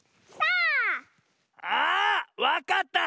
あわかった！